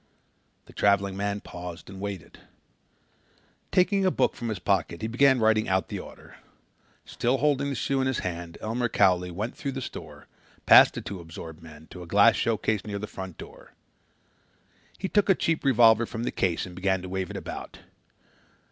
'" The traveling man paused and waited. Taking a book from his pocket he began writing out the order. Still holding the shoe in his hand Elmer Cowley went through the store, past the two absorbed men, to a glass showcase near the front door. He took a cheap revolver from the case and began to wave it about.